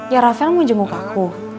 ya ravel mau jenguk aku